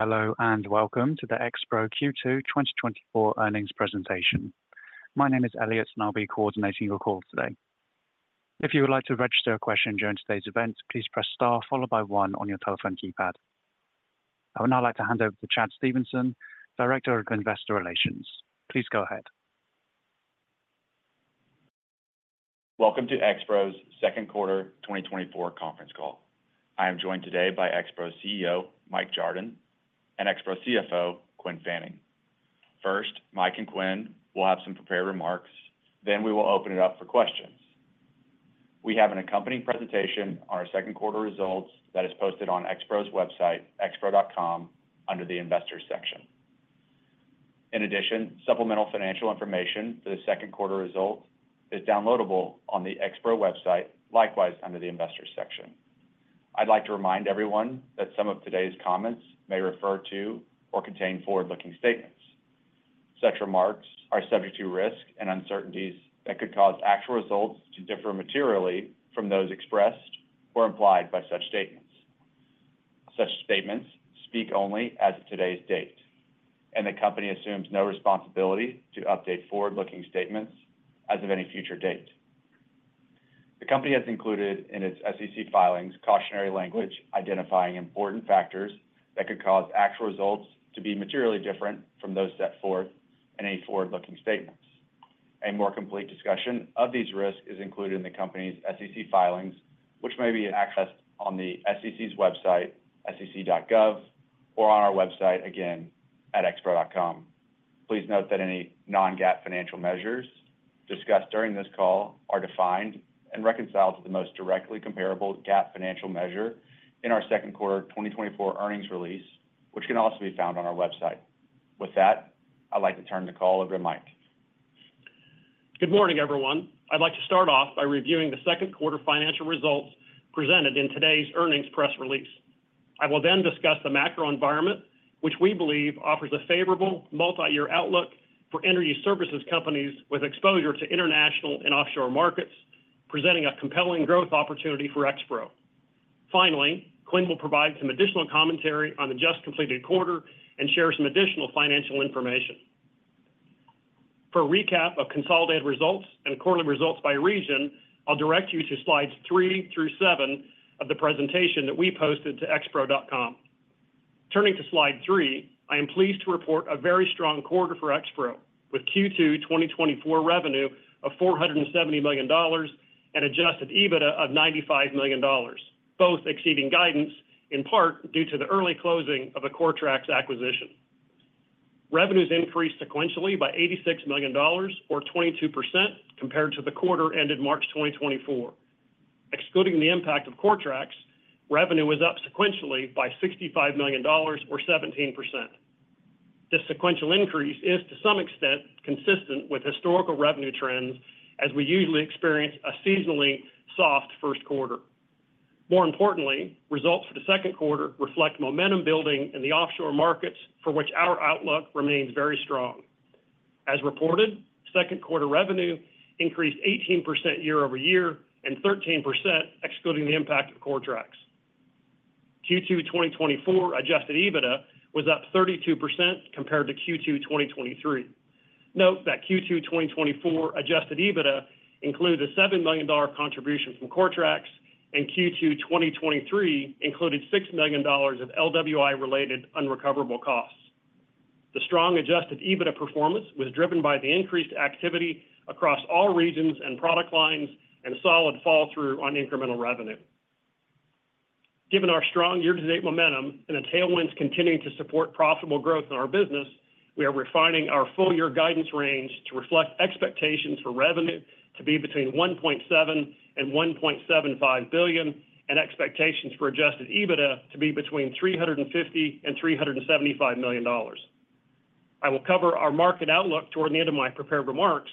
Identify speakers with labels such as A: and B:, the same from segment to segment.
A: Hello, and welcome to the Expro Q2 2024 earnings presentation. My name is Elliot, and I'll be coordinating your call today. If you would like to register a question during today's event, please press star followed by one on your telephone keypad. I would now like to hand over to Chad Stephenson, Director of Investor Relations. Please go ahead.
B: Welcome to Expro's second quarter 2024 conference call. I am joined today by Expro's CEO, Mike Jardon, and Expro's CFO, Quinn Fanning. First, Mike and Quinn will have some prepared remarks, then we will open it up for questions. We have an accompanying presentation on our second quarter results that is posted on Expro's website, expro.com, under the Investors section. In addition, supplemental financial information for the second quarter results is downloadable on the Expro website, likewise, under the Investors section. I'd like to remind everyone that some of today's comments may refer to or contain forward-looking statements. Such remarks are subject to risks and uncertainties that could cause actual results to differ materially from those expressed or implied by such statements. Such statements speak only as of today's date, and the company assumes no responsibility to update forward-looking statements as of any future date. The company has included in its SEC filings, cautionary language, identifying important factors that could cause actual results to be materially different from those set forth in any forward-looking statements. A more complete discussion of these risks is included in the company's SEC filings, which may be accessed on the SEC's website, sec.gov, or on our website, again, at expro.com. Please note that any non-GAAP financial measures discussed during this call are defined and reconciled to the most directly comparable GAAP financial measure in our second quarter 2024 earnings release, which can also be found on our website. With that, I'd like to turn the call over to Mike.
C: Good morning, everyone. I'd like to start off by reviewing the second quarter financial results presented in today's earnings press release. I will then discuss the macro environment, which we believe offers a favorable multi-year outlook for energy services companies with exposure to international and offshore markets, presenting a compelling growth opportunity for Expro. Finally, Quinn will provide some additional commentary on the just completed quarter and share some additional financial information. For a recap of consolidated results and quarterly results by region, I'll direct you to slides 3 through 7 of the presentation that we posted to expro.com. Turning to slide 3, I am pleased to report a very strong quarter for Expro, with Q2 2024 revenue of $470 million and Adjusted EBITDA of $95 million, both exceeding guidance, in part due to the early closing of the Coretrax acquisition. Revenues increased sequentially by $86 million or 22% compared to the quarter ended March 2024. Excluding the impact of Coretrax, revenue was up sequentially by $65 million or 17%. This sequential increase is, to some extent, consistent with historical revenue trends, as we usually experience a seasonally soft first quarter. More importantly, results for the second quarter reflect momentum building in the offshore markets, for which our outlook remains very strong. As reported, second quarter revenue increased 18% year over year and 13%, excluding the impact of Coretrax. Q2 2024 Adjusted EBITDA was up 32% compared to Q2 2023. Note that Q2 2024 Adjusted EBITDA included a $7 million contribution from Coretrax, and Q2 2023 included $6 million of LWI-related unrecoverable costs. The strong Adjusted EBITDA performance was driven by the increased activity across all regions and product lines, and a solid fall through on incremental revenue. Given our strong year-to-date momentum and the tailwinds continuing to support profitable growth in our business, we are refining our full year guidance range to reflect expectations for revenue to be between $1.7 billion-$1.75 billion, and expectations for Adjusted EBITDA to be between $350 million-$375 million. I will cover our market outlook toward the end of my prepared remarks,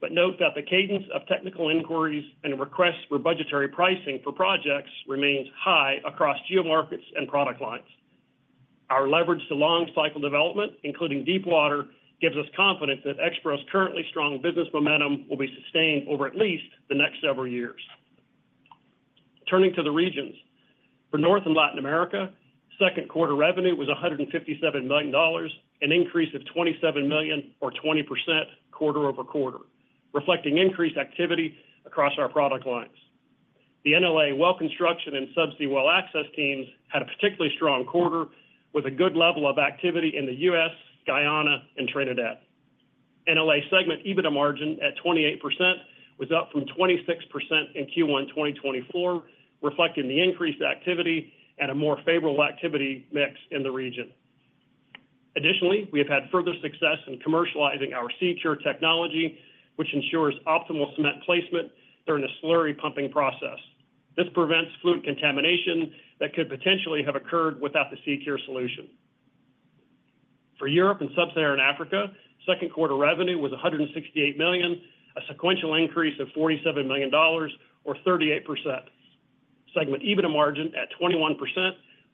C: but note that the cadence of technical inquiries and requests for budgetary pricing for projects remains high across geo markets and product lines. Our leverage to long cycle development, including deepwater, gives us confidence that Expro's currently strong business momentum will be sustained over at least the next several years. Turning to the regions. For North and Latin America, second quarter revenue was $157 million, an increase of $27 million or 20% quarter-over-quarter, reflecting increased activity across our product lines. The NLA Well Construction and Subsea Well Access teams had a particularly strong quarter, with a good level of activity in the U.S., Guyana, and Trinidad. NLA segment EBITDA margin at 28% was up from 26% in Q1 2024, reflecting the increased activity and a more favorable activity mix in the region. Additionally, we have had further success in commercializing our SeaCure technology, which ensures optimal cement placement during the slurry pumping process. This prevents fluid contamination that could potentially have occurred without the SeaCure solution. For Europe and Sub-Saharan Africa, second quarter revenue was $168 million, a sequential increase of $47 million or 38%. Segment EBITDA margin at 21%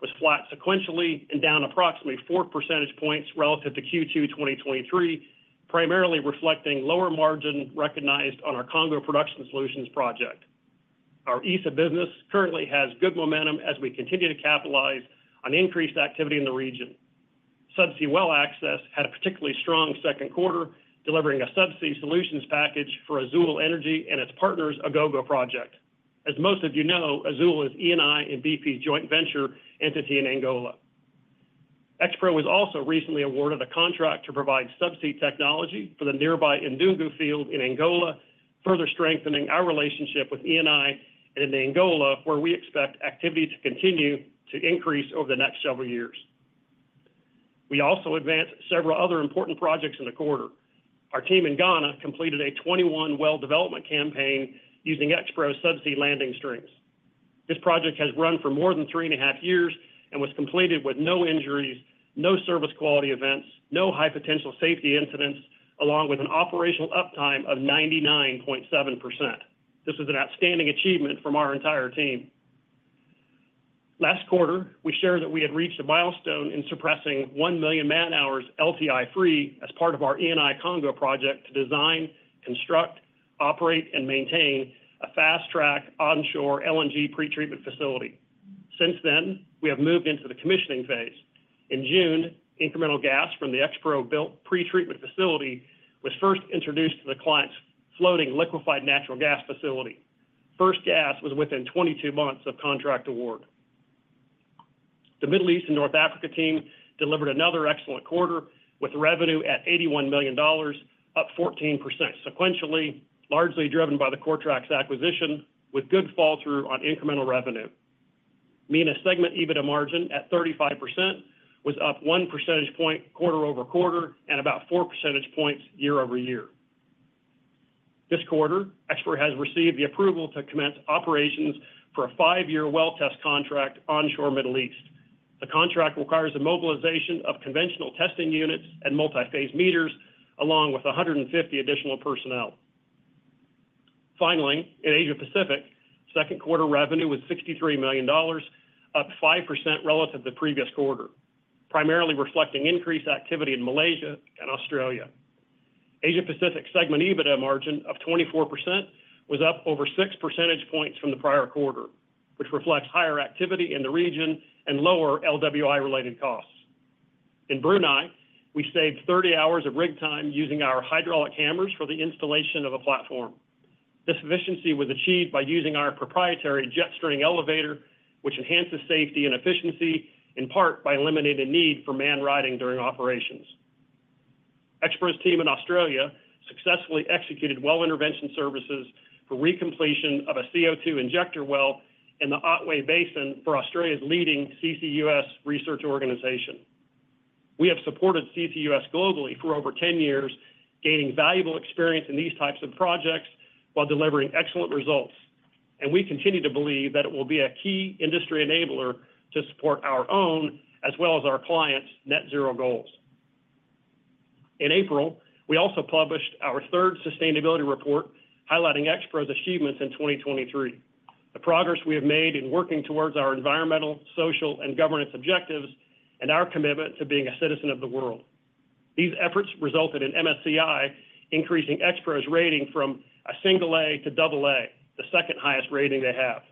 C: was flat sequentially and down approximately four percentage points relative to Q2 2023, primarily reflecting lower margin recognized on our Congo Production Solutions project. Our EASA business currently has good momentum as we continue to capitalize on increased activity in the region. Subsea Well Access had a particularly strong second quarter, delivering a subsea solutions package for Azule Energy and its partners' Agogo project. As most of you know, Azule is Eni and BP's joint venture entity in Angola. Expro was also recently awarded a contract to provide subsea technology for the nearby Ndungu field in Angola, further strengthening our relationship with Eni in Angola, where we expect activity to continue to increase over the next several years. We also advanced several other important projects in the quarter. Our team in Ghana completed a 21-well development campaign using Expro subsea landing strings. This project has run for more than 3.5 years and was completed with no injuries, no service quality events, no high potential safety incidents, along with an operational uptime of 99.7%. This is an outstanding achievement from our entire team. Last quarter, we shared that we had reached a milestone in surpassing 1 million man hours LTI-free as part of our Eni Congo project to design, construct, operate, and maintain a fast-track onshore LNG pretreatment facility. Since then, we have moved into the commissioning phase. In June, incremental gas from the Expro-built pretreatment facility was first introduced to the client's floating liquefied natural gas facility. First gas was within 22 months of contract award. The Middle East and North Africa team delivered another excellent quarter, with revenue at $81 million, up 14% sequentially, largely driven by the Coretrax acquisition, with good fall through on incremental revenue. MENA segment EBITDA margin at 35% was up one percentage point quarter-over-quarter and about four percentage points year-over-year. This quarter, Expro has received the approval to commence operations for a five-year well test contract onshore Middle East. The contract requires a mobilization of conventional testing units and multi-phase meters, along with 150 additional personnel. Finally, in Asia Pacific, second quarter revenue was $63 million, up 5% relative to the previous quarter, primarily reflecting increased activity in Malaysia and Australia. Asia Pacific segment EBITDA margin of 24% was up over six percentage points from the prior quarter, which reflects higher activity in the region and lower LWI-related costs. In Brunei, we saved 30 hours of rig time using our hydraulic hammers for the installation of a platform. This efficiency was achieved by using our proprietary Jet String Elevator, which enhances safety and efficiency, in part by eliminating the need for man riding during operations. Expro's team in Australia successfully executed well intervention services for recompletion of a CO₂ injector well in the Otway Basin for Australia's leading CCUS research organization. We have supported CCUS globally for over 10 years, gaining valuable experience in these types of projects while delivering excellent results, and we continue to believe that it will be a key industry enabler to support our own, as well as our clients' net zero goals. In April, we also published our third sustainability report, highlighting Expro's achievements in 2023, the progress we have made in working towards our environmental, social, and governance objectives, and our commitment to being a citizen of the world. These efforts resulted in MSCI increasing Expro's rating from a single A to double A, the second highest rating they have.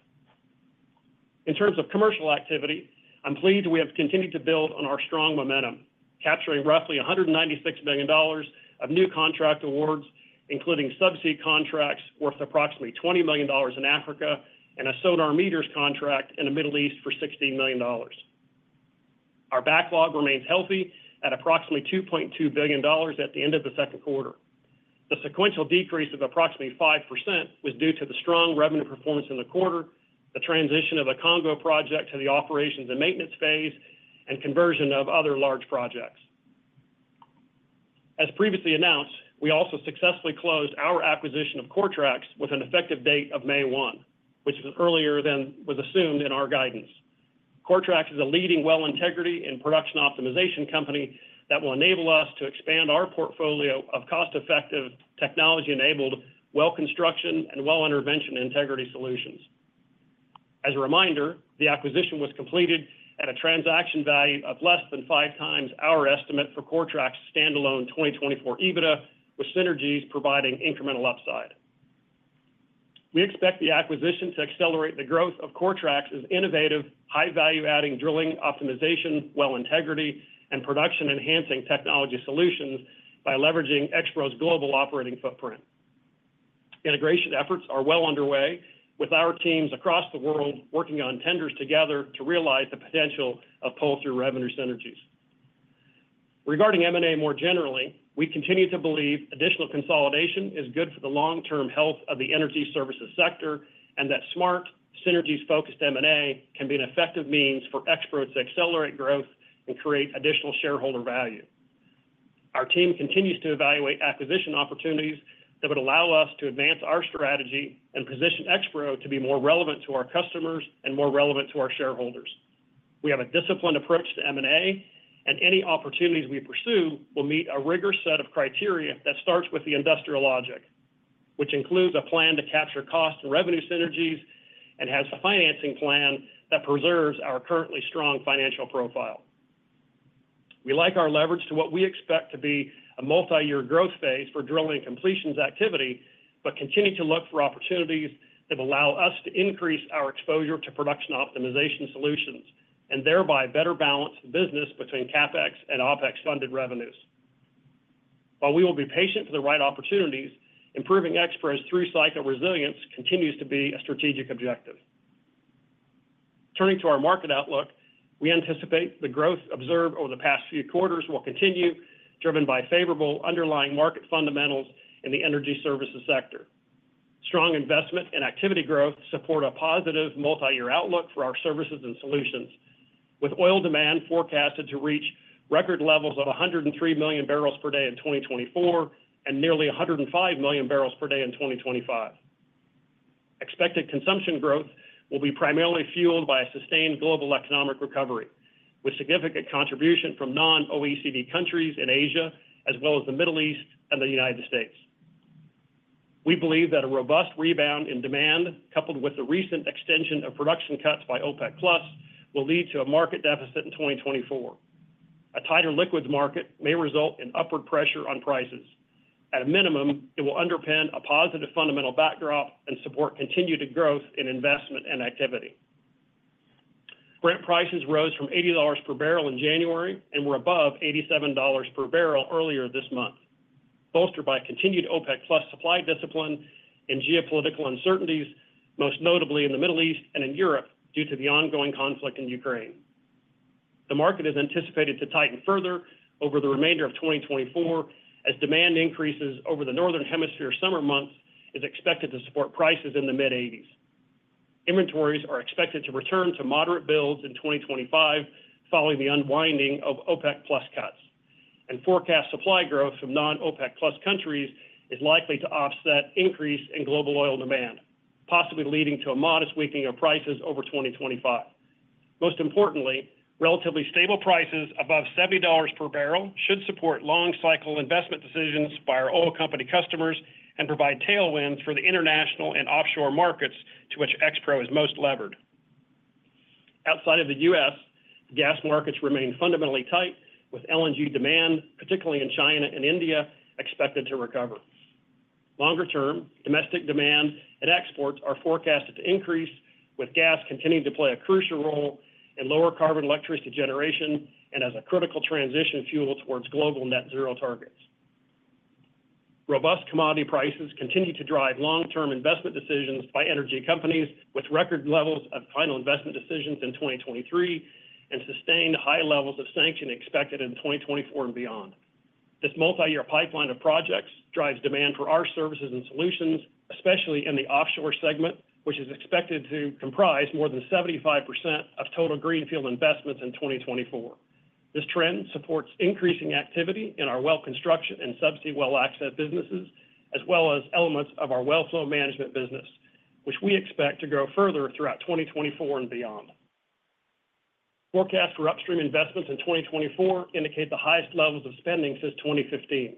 C: In terms of commercial activity, I'm pleased we have continued to build on our strong momentum, capturing roughly $196 million of new contract awards, including subsea contracts worth approximately $20 million in Africa and a Sonar meters contract in the Middle East for $16 million. Our backlog remains healthy at approximately $2.2 billion at the end of the second quarter. The sequential decrease of approximately 5% was due to the strong revenue performance in the quarter, the transition of a Congo project to the operations and maintenance phase, and conversion of other large projects. As previously announced, we also successfully closed our acquisition of Coretrax with an effective date of May 1, which is earlier than was assumed in our guidance. Coretrax is a leading well integrity and production optimization company that will enable us to expand our portfolio of cost-effective, technology-enabled well construction and well intervention integrity solutions. As a reminder, the acquisition was completed at a transaction value of less than 5x our estimate for Coretrax's standalone 2024 EBITDA, with synergies providing incremental upside. We expect the acquisition to accelerate the growth of Coretrax's innovative, high value-adding, drilling optimization, well integrity, and production-enhancing technology solutions by leveraging Expro's global operating footprint. Integration efforts are well underway with our teams across the world, working on tenders together to realize the potential of pull-through revenue synergies. Regarding M&A more generally, we continue to believe additional consolidation is good for the long-term health of the energy services sector and that smart, synergies-focused M&A can be an effective means for Expro to accelerate growth and create additional shareholder value. Our team continues to evaluate acquisition opportunities that would allow us to advance our strategy and position Expro to be more relevant to our customers and more relevant to our shareholders. We have a disciplined approach to M&A, and any opportunities we pursue will meet a rigorous set of criteria that starts with the industrial logic, which includes a plan to capture cost and revenue synergies and has a financing plan that preserves our currently strong financial profile. We like our leverage to what we expect to be a multi-year growth phase for drilling and completions activity, but continue to look for opportunities that allow us to increase our exposure to production optimization solutions, and thereby better balance the business between CapEx and OpEx-funded revenues. While we will be patient for the right opportunities, improving Expro's through-cycle resilience continues to be a strategic objective. Turning to our market outlook, we anticipate the growth observed over the past few quarters will continue, driven by favorable underlying market fundamentals in the energy services sector. Strong investment and activity growth support a positive multi-year outlook for our services and solutions, with oil demand forecasted to reach record levels of 103 million barrels per day in 2024, and nearly 105 million barrels per day in 2025. Expected consumption growth will be primarily fueled by a sustained global economic recovery, with significant contribution from non-OECD countries in Asia, as well as the Middle East and the United States. We believe that a robust rebound in demand, coupled with the recent extension of production cuts by OPEC+, will lead to a market deficit in 2024. A tighter liquids market may result in upward pressure on prices. At a minimum, it will underpin a positive fundamental backdrop and support continued growth in investment and activity. Brent prices rose from $80 per barrel in January and were above $87 per barrel earlier this month, bolstered by continued OPEC+ supply discipline and geopolitical uncertainties, most notably in the Middle East and in Europe, due to the ongoing conflict in Ukraine. The market is anticipated to tighten further over the remainder of 2024, as demand increases over the Northern Hemisphere summer months, is expected to support prices in the mid-$80s. Inventories are expected to return to moderate builds in 2025, following the unwinding of OPEC+ cuts. And forecast supply growth from non-OPEC+ countries is likely to offset increase in global oil demand, possibly leading to a modest weakening of prices over 2025. Most importantly, relatively stable prices above $70 per barrel should support long cycle investment decisions by our oil company customers and provide tailwinds for the international and offshore markets to which Expro is most levered. Outside of the U.S., gas markets remain fundamentally tight, with LNG demand, particularly in China and India, expected to recover. Longer term, domestic demand and exports are forecasted to increase, with gas continuing to play a crucial role in lower carbon electricity generation and as a critical transition fuel towards global net zero targets. Robust commodity prices continue to drive long-term investment decisions by energy companies, with record levels of final investment decisions in 2023, and sustained high levels of sanctions expected in 2024 and beyond. This multi-year pipeline of projects drives demand for our services and solutions, especially in the offshore segment, which is expected to comprise more than 75% of total greenfield investments in 2024. This trend supports increasing activity in our well construction and subsea well access businesses, as well as elements of our well flow management business, which we expect to grow further throughout 2024 and beyond. Forecast for upstream investments in 2024 indicate the highest levels of spending since 2015.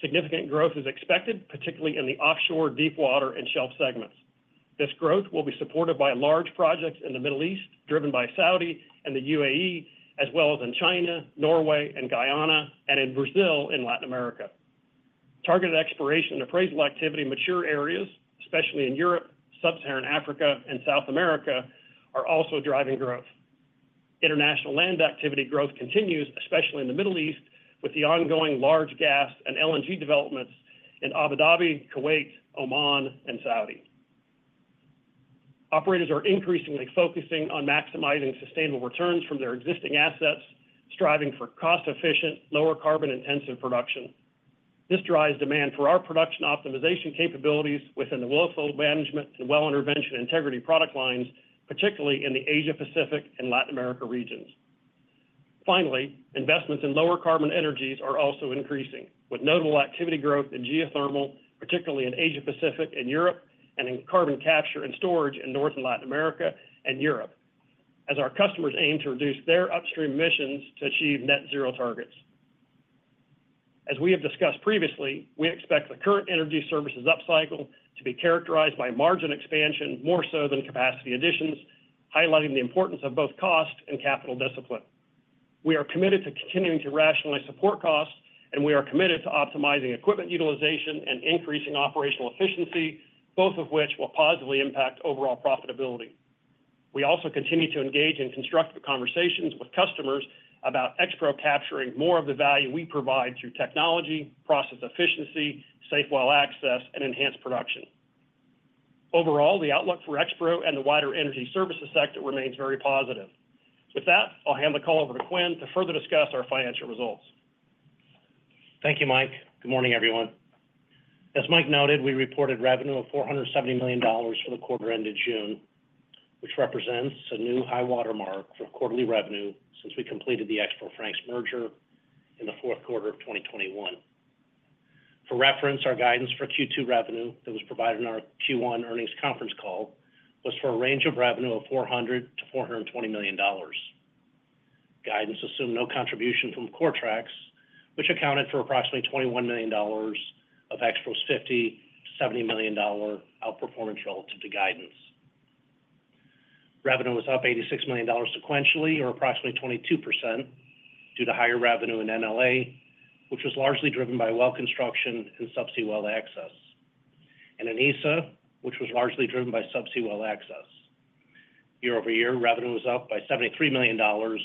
C: Significant growth is expected, particularly in the offshore, deepwater, and shelf segments. This growth will be supported by large projects in the Middle East, driven by Saudi and the UAE, as well as in China, Norway and Guyana, and in Brazil, in Latin America. Targeted exploration and appraisal activity in mature areas, especially in Europe, Sub-Saharan Africa, and South America, are also driving growth. International land activity growth continues, especially in the Middle East, with the ongoing large gas and LNG developments in Abu Dhabi, Kuwait, Oman, and Saudi. Operators are increasingly focusing on maximizing sustainable returns from their existing assets, striving for cost-efficient, lower carbon-intensive production. This drives demand for our production optimization capabilities within the well flow management and well intervention integrity product lines, particularly in the Asia Pacific and Latin America regions. Finally, investments in lower carbon energies are also increasing, with notable activity growth in geothermal, particularly in Asia Pacific and Europe, and in carbon capture and storage in North and Latin America and Europe, as our customers aim to reduce their upstream emissions to achieve net zero targets. As we have discussed previously, we expect the current energy services upcycle to be characterized by margin expansion, more so than capacity additions, highlighting the importance of both cost and capital discipline. We are committed to continuing to rationalize support costs, and we are committed to optimizing equipment utilization and increasing operational efficiency, both of which will positively impact overall profitability. We also continue to engage in constructive conversations with customers about Expro capturing more of the value we provide through technology, process efficiency, safe well access, and enhanced production. Overall, the outlook for Expro and the wider energy services sector remains very positive. With that, I'll hand the call over to Quinn to further discuss our financial results.
D: Thank you, Mike. Good morning, everyone. As Mike noted, we reported revenue of $470 million for the quarter ended June, which represents a new high watermark for quarterly revenue since we completed the Expro Frank's merger in the fourth quarter of 2021. For reference, our guidance for Q2 revenue that was provided in our Q1 earnings conference call was for a range of revenue of $400 million-$420 million. Guidance assumed no contribution from CoreTrax, which accounted for approximately $21 million of Expro's $50 million-$70 million outperformance relative to guidance. Revenue was up $86 million sequentially, or approximately 22%, due to higher revenue in NLA, which was largely driven by well construction and subsea well access. And in ESA, which was largely driven by subsea well access. Year-over-year, revenue was up by $73 million, or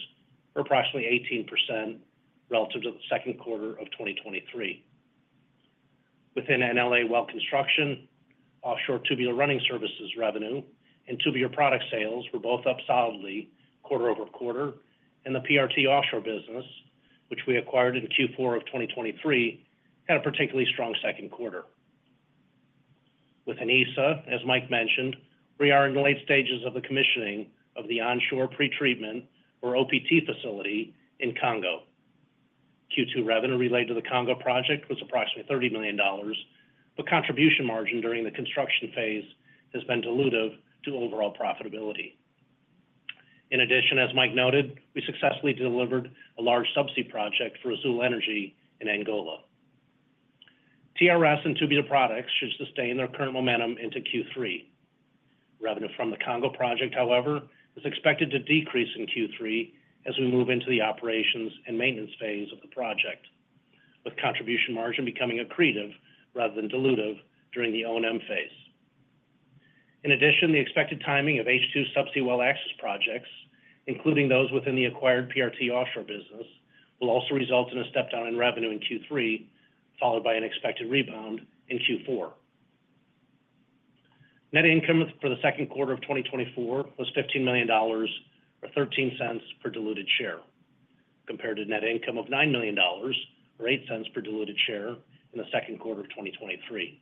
D: approximately 18% relative to the second quarter of 2023. Within NLA well construction, offshore tubular running services revenue and tubular product sales were both up solidly quarter-over-quarter, and the PRT Offshore business, which we acquired in Q4 of 2023, had a particularly strong second quarter. Within ESA, as Mike mentioned, we are in the late stages of the commissioning of the onshore pretreatment, or OPT facility in Congo. Q2 revenue related to the Congo project was approximately $30 million, but contribution margin during the construction phase has been dilutive to overall profitability. In addition, as Mike noted, we successfully delivered a large subsea project for Azule Energy in Angola. TRS and Tubular Products should sustain their current momentum into Q3. Revenue from the Congo project, however, is expected to decrease in Q3 as we move into the operations and maintenance phase of the project, with contribution margin becoming accretive rather than dilutive during the O&M phase. In addition, the expected timing of H2 subsea well access projects, including those within the acquired PRT Offshore business, will also result in a step down in revenue in Q3, followed by an expected rebound in Q4. Net income for the second quarter of 2024 was $15 million, or 13 cents per diluted share, compared to net income of $9 million, or 8 cents per diluted share in the second quarter of 2023.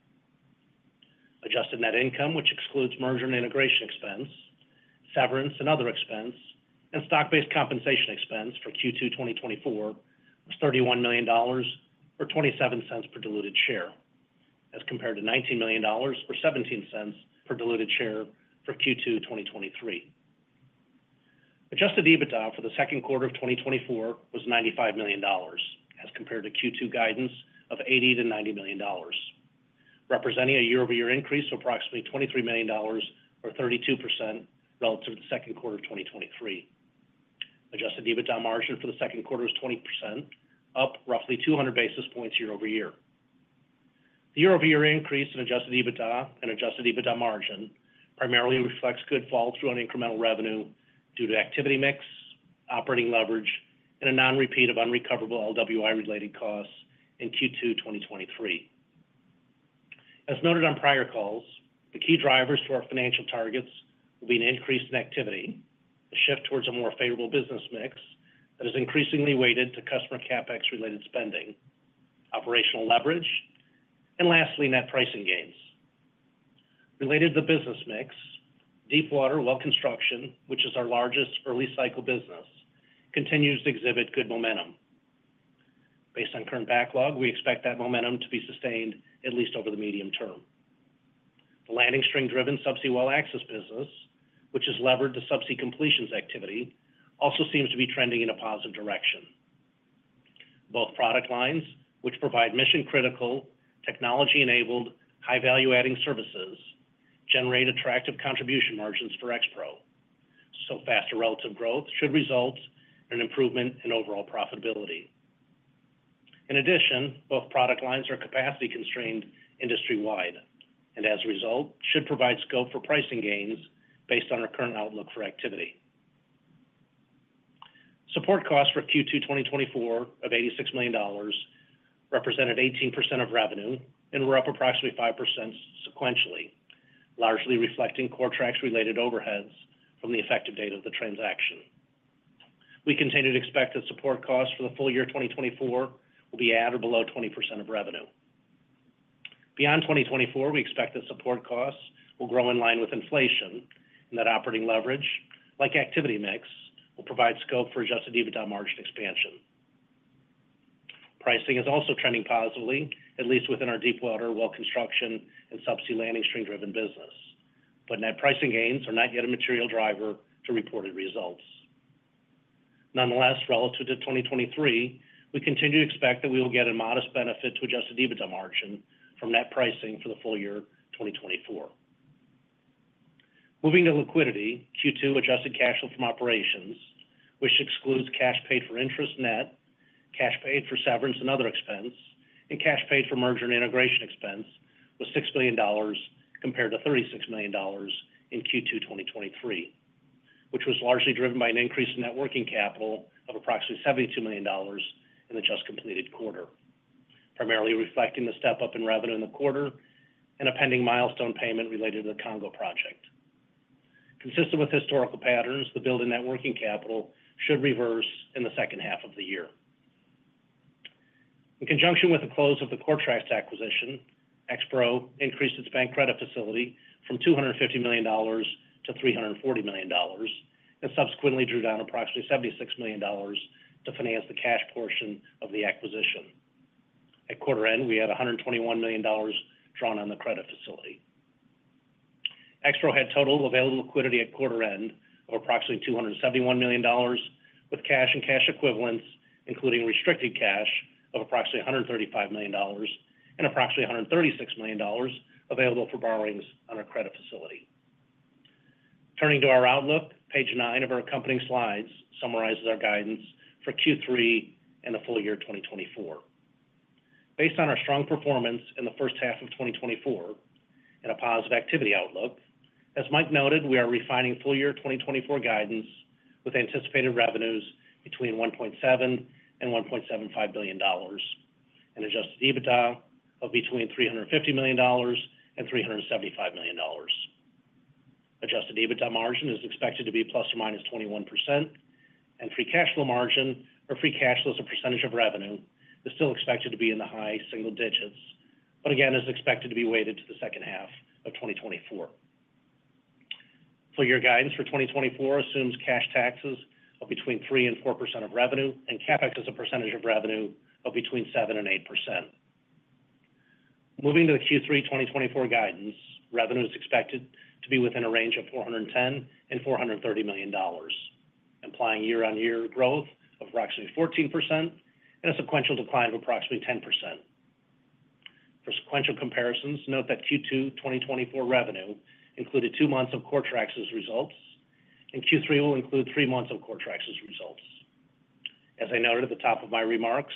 D: Adjusted net income, which excludes merger and integration expense, severance and other expense, and stock-based compensation expense for Q2 2024, was $31 million, or $0.27 per diluted share, as compared to $19 million, or $0.17 per diluted share for Q2 2023. Adjusted EBITDA for the second quarter of 2024 was $95 million, as compared to Q2 guidance of $80 million-$90 million, representing a year-over-year increase of approximately $23 million or 32% relative to the second quarter of 2023. Adjusted EBITDA margin for the second quarter was 20%, up roughly 200 basis points year over year. The year-over-year increase in adjusted EBITDA and adjusted EBITDA margin primarily reflects good fall through an incremental revenue due to activity mix, operating leverage, and a non-repeat of unrecoverable LWI-related costs in Q2 2023. As noted on prior calls, the key drivers to our financial targets will be an increase in activity, a shift towards a more favorable business mix that is increasingly weighted to customer CapEx-related spending, operational leverage, and lastly, net pricing gains. Related to the business mix, deepwater well construction, which is our largest early cycle business, continues to exhibit good momentum. Based on current backlog, we expect that momentum to be sustained at least over the medium term. The landing string-driven subsea well access business, which is levered to subsea completions activity, also seems to be trending in a positive direction. Both product lines, which provide mission-critical, technology-enabled, high-value adding services, generate attractive contribution margins for XPRO, so faster relative growth should result in an improvement in overall profitability. In addition, both product lines are capacity-constrained industry-wide, and as a result, should provide scope for pricing gains based on our current outlook for activity. Support costs for Q2 2024 of $86 million represented 18% of revenue and were up approximately 5% sequentially, largely reflecting Coretrax's related overheads from the effective date of the transaction. We continue to expect that support costs for the full year 2024 will be at or below 20% of revenue. Beyond 2024, we expect that support costs will grow in line with inflation and that operating leverage, like activity mix, will provide scope for Adjusted EBITDA margin expansion. Pricing is also trending positively, at least within our deepwater well construction and subsea landing string-driven business, but net pricing gains are not yet a material driver to reported results. Nonetheless, relative to 2023, we continue to expect that we will get a modest benefit to adjusted EBITDA margin from net pricing for the full year 2024. Moving to liquidity, Q2 adjusted cash flow from operations, which excludes cash paid for interest net, cash paid for severance and other expense, and cash paid for merger and integration expense, was $6 million compared to $36 million in Q2 2023, which was largely driven by an increase in net working capital of approximately $72 million in the just completed quarter, primarily reflecting the step-up in revenue in the quarter and a pending milestone payment related to the Congo project. Consistent with historical patterns, the build in net working capital should reverse in the second half of the year. In conjunction with the close of the Coretrax acquisition, Expro increased its bank credit facility from $250 million-$340 million, and subsequently drew down approximately $76 million to finance the cash portion of the acquisition. At quarter end, we had $121 million drawn on the credit facility. XPRO had total available liquidity at quarter end of approximately $271 million with cash and cash equivalents, including restricted cash of approximately $135 million and approximately $136 million available for borrowings on our credit facility. Turning to our outlook, page nine of our accompanying slides summarizes our guidance for Q3 and the full year 2024. Based on our strong performance in the first half of 2024 and a positive activity outlook, as Mike noted, we are refining full year 2024 guidance with anticipated revenues between $1.7 billion-$1.75 billion, and Adjusted EBITDA of between $350 million-$375 million. Adjusted EBITDA margin is expected to be ±21%, and free cash flow margin or free cash flow as a percentage of revenue, is still expected to be in the high single digits, but again, is expected to be weighted to the second half of 2024. Full year guidance for 2024 assumes cash taxes of between 3%-4% of revenue, and CapEx as a percentage of revenue of between 7%-8%. Moving to the Q3 2024 guidance, revenue is expected to be within a range of $410 million-$430 million, implying year-on-year growth of approximately 14% and a sequential decline of approximately 10%. For sequential comparisons, note that Q2 2024 revenue included two months of Coretrax's results, and Q3 will include three months of Coretrax's results. As I noted at the top of my remarks,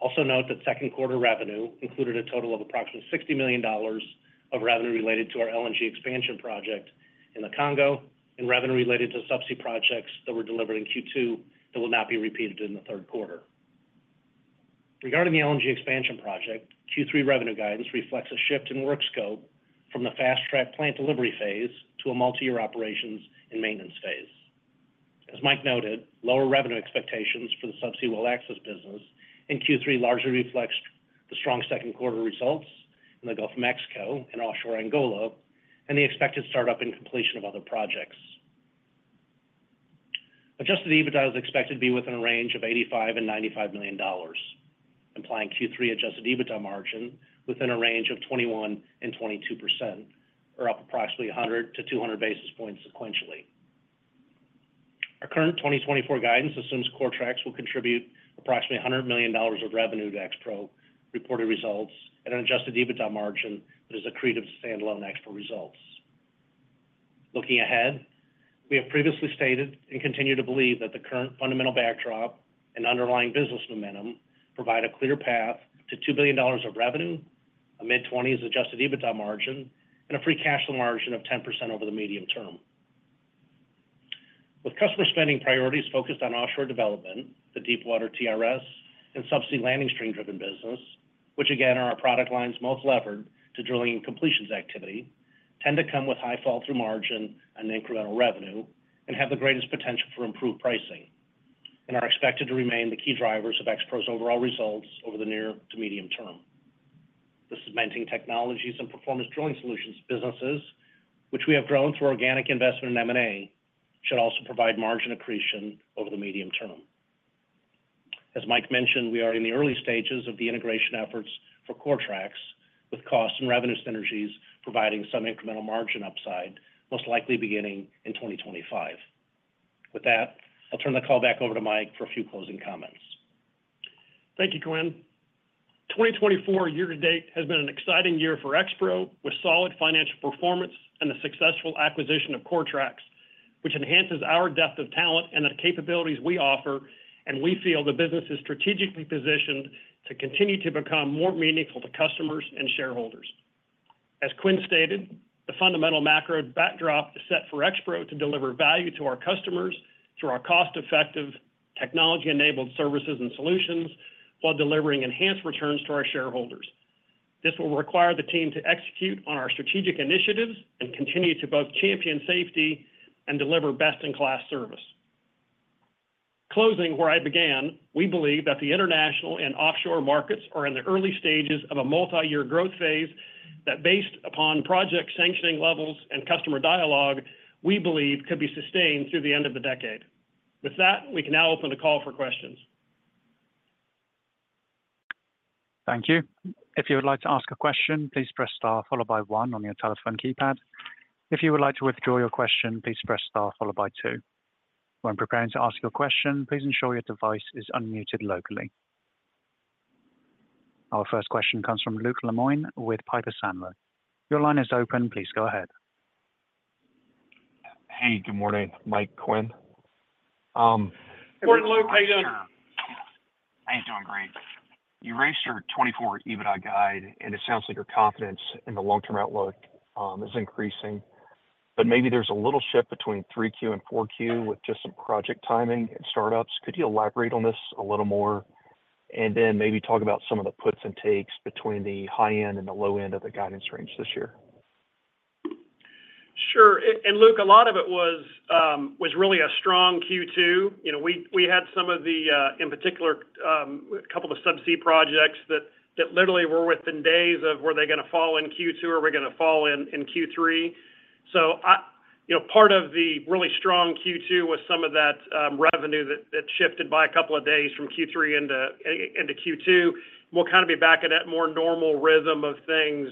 D: also note that second quarter revenue included a total of approximately $60 million of revenue related to our LNG expansion project in the Congo, and revenue related to subsea projects that were delivered in Q2 that will not be repeated in the third quarter. Regarding the LNG expansion project, Q3 revenue guidance reflects a shift in work scope from the fast-track plant delivery phase to a multi-year operations and maintenance phase. As Mike noted, lower revenue expectations for the subsea well access business in Q3 largely reflects the strong second quarter results in the Gulf of Mexico and offshore Angola, and the expected start-up and completion of other projects. Adjusted EBITDA is expected to be within a range of $85 million-$95 million, implying Q3 adjusted EBITDA margin within a range of 21%-22%, or up approximately 100-200 basis points sequentially. Our current 2024 guidance assumes Coretrax will contribute approximately $100 million of revenue to Expro reported results at an adjusted EBITDA margin that is accretive to standalone Expro results. Looking ahead, we have previously stated and continue to believe that the current fundamental backdrop and underlying business momentum provide a clear path to $2 billion of revenue, a mid-20s Adjusted EBITDA margin, and a free cash flow margin of 10% over the medium term. With customer spending priorities focused on offshore development, the deepwater TRS and subsea landing string-driven business, which again, are our product lines most levered to drilling and completions activity, tend to come with high flow-through margin and incremental revenue, and have the greatest potential for improved pricing, and are expected to remain the key drivers of Expro's overall results over the near to medium term. The Cementing Technologies and Performance Drilling Solutions businesses, which we have grown through organic investment in M&A, should also provide margin accretion over the medium term. As Mike mentioned, we are in the early stages of the integration efforts for Coretrax, with cost and revenue synergies providing some incremental margin upside, most likely beginning in 2025. With that, I'll turn the call back over to Mike for a few closing comments.
C: Thank you, Quinn. 2024 year-to-date has been an exciting year for Expro, with solid financial performance and the successful acquisition of Coretrax, which enhances our depth of talent and the capabilities we offer, and we feel the business is strategically positioned to continue to become more meaningful to customers and shareholders. As Quinn stated, the fundamental macro backdrop is set for Expro to deliver value to our customers through our cost-effective, technology-enabled services and solutions, while delivering enhanced returns to our shareholders. This will require the team to execute on our strategic initiatives and continue to both champion safety and deliver best-in-class service. Closing where I began, we believe that the international and offshore markets are in the early stages of a multi-year growth phase that based upon project sanctioning levels and customer dialogue, we believe could be sustained through the end of the decade. With that, we can now open the call for questions.
A: Thank you. If you would like to ask a question, please press star, followed by one on your telephone keypad. If you would like to withdraw your question, please press star, followed by two. When preparing to ask your question, please ensure your device is unmuted locally. Our first question comes from Luke Lemoine with Piper Sandler. Your line is open. Please go ahead.
E: Hey, good morning, Mike, Quinn.
C: Morning, Luke. How you doing?
E: I'm doing great. You raised your 2024 EBITDA guide, and it sounds like your confidence in the long-term outlook is increasing. But maybe there's a little shift between Q3 and Q4 with just some project timing and startups. Could you elaborate on this a little more, and then maybe talk about some of the puts and takes between the high end and the low end of the guidance range this year?
C: Sure. And Luke, a lot of it was really a strong Q2. You know, we had some of the, in particular, a couple of subsea projects that literally were within days of were they gonna fall in Q2 or were they gonna fall in Q3? So you know, part of the really strong Q2 was some of that revenue that shifted by a couple of days from Q3 into Q2. We'll kind of be back in that more normal rhythm of things,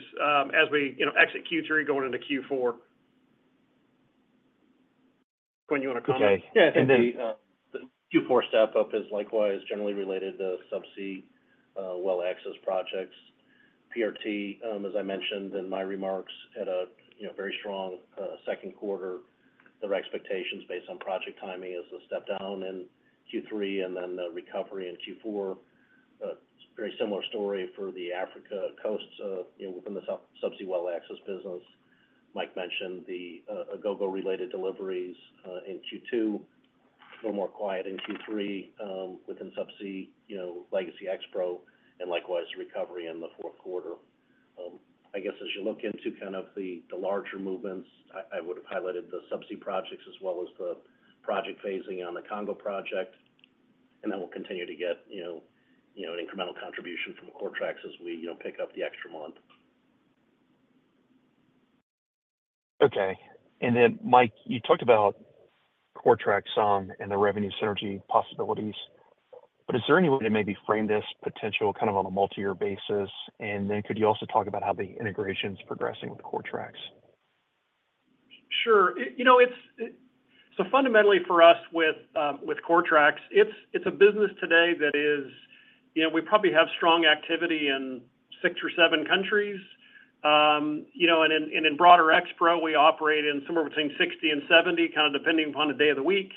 C: as we, you know, exit Q3, going into Q4. ... Quinn, you want to comment?
D: Yeah, I think the Q4 step-up is likewise generally related to subsea well access projects. PRT, as I mentioned in my remarks, had a, you know, very strong second quarter. Their expectations based on project timing is a step down in Q3, and then the recovery in Q4. Very similar story for the Africa coasts, you know, within the subsea well access business. Mike mentioned the Agogo-related deliveries in Q2, a little more quiet in Q3, within subsea, you know, legacy Expro, and likewise, recovery in the fourth quarter. I guess as you look into kind of the larger movements, I would have highlighted the subsea projects as well as the project phasing on the Congo project, and then we'll continue to get, you know, an incremental contribution from Coretrax as we, you know, pick up the extra month.
E: Okay. And then, Mike, you talked about Coretrax, and the revenue synergy possibilities, but is there any way to maybe frame this potential kind of on a multi-year basis? And then could you also talk about how the integration is progressing with Coretrax?
C: Sure. You know, it's so fundamentally for us with Coretrax, it's a business today that is... You know, we probably have strong activity in 6 or 7 countries. You know, and in broader Expro, we operate in somewhere between 60 and 70, kind of, depending upon the day of the week.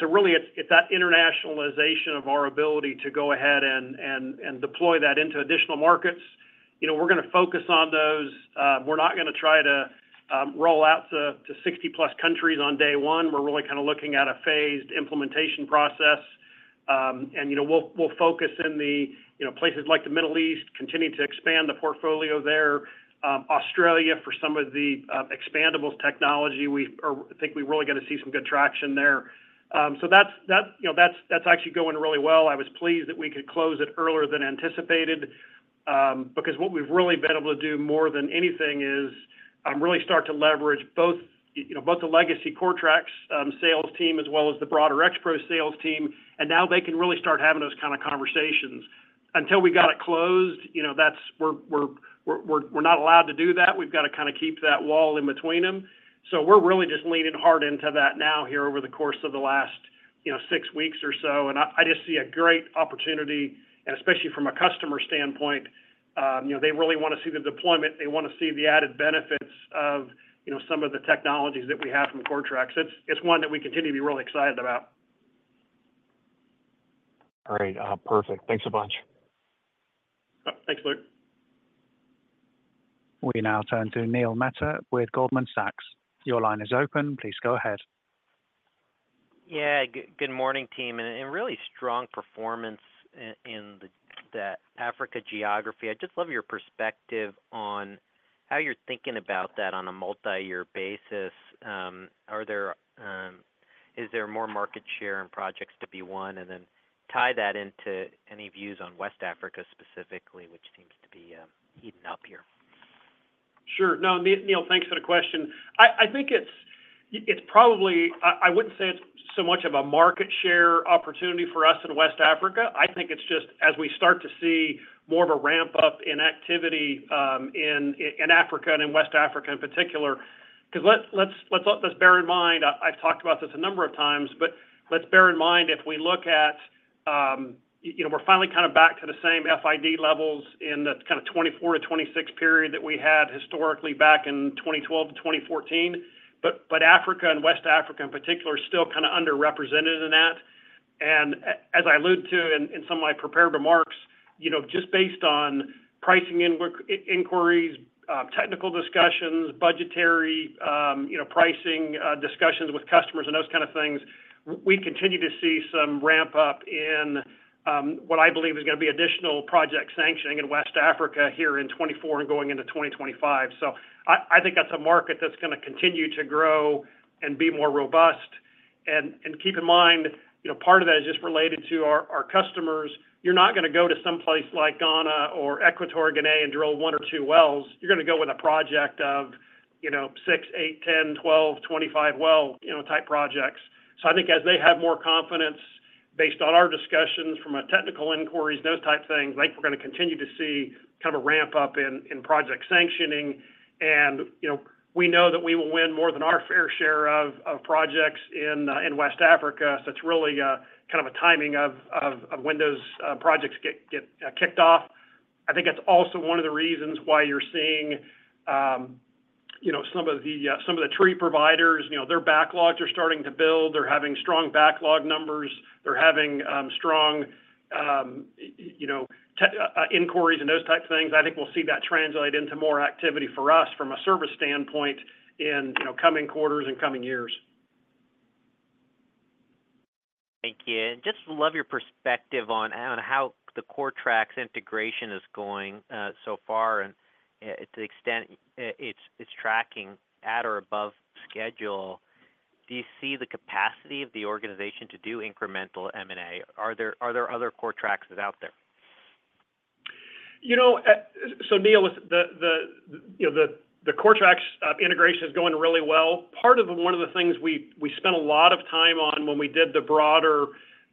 C: So really, it's that internationalization of our ability to go ahead and deploy that into additional markets. You know, we're gonna focus on those. We're not gonna try to roll out to 60+ countries on day one. We're really kind of looking at a phased implementation process. And, you know, we'll focus in the places like the Middle East, continuing to expand the portfolio there. Australia, for some of the, expandables technology, we are-- I think we're really gonna see some good traction there. So that's, that's, you know, that's, that's actually going really well. I was pleased that we could close it earlier than anticipated, because what we've really been able to do more than anything is, really start to leverage both, you, you know, both the legacy CoreTrax, sales team as well as the broader Expro sales team, and now they can really start having those kind of conversations. Until we got it closed, you know, that's-- we're not allowed to do that. We've got to kind of keep that wall in between them. So we're really just leaning hard into that now here over the course of the last, you know, six weeks or so. I just see a great opportunity, and especially from a customer standpoint, you know, they really want to see the deployment. They want to see the added benefits of, you know, some of the technologies that we have from Coretrax. It's one that we continue to be really excited about.
E: All right. Perfect. Thanks a bunch.
C: Thanks, Luke.
A: We now turn to Neil Mehta with Goldman Sachs. Your line is open. Please go ahead.
F: Yeah. Good, good morning, team. And, and really strong performance in, in the Africa geography. I'd just love your perspective on how you're thinking about that on a multi-year basis. Is there more market share and projects to be won? And then tie that into any views on West Africa, specifically, which seems to be heating up here.
C: Sure. No, Neil, thanks for the question. I think it's probably... I wouldn't say it's so much of a market share opportunity for us in West Africa. I think it's just as we start to see more of a ramp-up in activity in Africa and in West Africa in particular. Because let's bear in mind, I've talked about this a number of times, but let's bear in mind, if we look at, you know, we're finally kind of back to the same FID levels in the kind of 2024-2026 period that we had historically back in 2012-2014, but Africa and West Africa, in particular, are still kind of underrepresented in that. As I alluded to in some of my prepared remarks, you know, just based on pricing inquiries, technical discussions, budgetary, you know, pricing discussions with customers, and those kind of things, we continue to see some ramp-up in what I believe is gonna be additional project sanctioning in West Africa here in 2024 and going into 2025. So I think that's a market that's gonna continue to grow and be more robust. And keep in mind, you know, part of that is just related to our customers. You're not gonna go to someplace like Ghana or Equatorial Guinea and drill one or two wells. You're gonna go with a project of, you know, 6, 8, 10, 12, 25 well, you know, type projects. So I think as they have more confidence based on our discussions from technical inquiries, those type of things, I think we're gonna continue to see kind of a ramp-up in project sanctioning. And, you know, we know that we will win more than our fair share of projects in West Africa. So it's really kind of a timing of when those projects get kicked off. I think that's also one of the reasons why you're seeing, you know, some of the tree providers, you know, their backlogs are starting to build. They're having strong backlog numbers. They're having strong, you know, technical inquiries and those type of things. I think we'll see that translate into more activity for us from a service standpoint in, you know, coming quarters and coming years.
F: Thank you. And just love your perspective on how the Coretrax integration is going, so far, and, to the extent, it's tracking at or above schedule. Do you see the capacity of the organization to do incremental M&A? Are there other Coretraxes out there?
C: You know, so Neil, with the you know the Coretrax integration is going really well. Part of one of the things we spent a lot of time on when we did the broader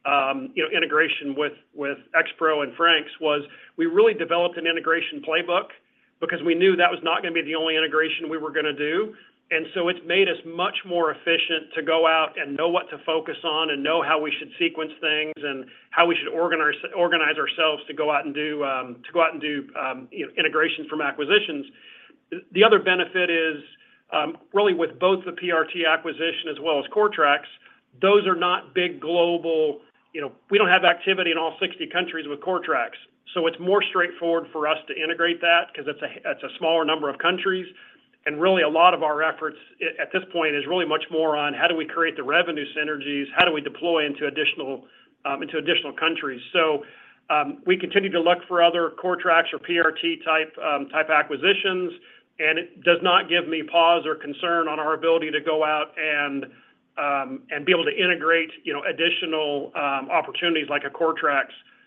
C: integration with Expro and Frank's was we really developed an integration playbook because we knew that was not gonna be the only integration we were gonna do. And so it's made us much more efficient to go out and know what to focus on and know how we should sequence things and how we should organize ourselves to go out and do you know integrations from acquisitions. The other benefit is really with both the PRT acquisition as well as Coretrax. Those are not big global. You know, we don't have activity in all 60 countries with Coretrax, so it's more straightforward for us to integrate that because it's a smaller number of countries. And really, a lot of our efforts at this point is really much more on how do we create the revenue synergies? How do we deploy into additional into additional countries? So, we continue to look for other Coretrax or PRT type acquisitions, and it does not give me pause or concern on our ability to go out and and be able to integrate, you know, additional opportunities like a Coretrax. That